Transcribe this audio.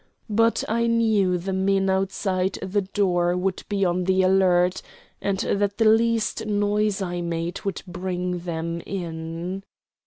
But I knew the men outside the door would be on the alert, and that the least noise I made would bring them in.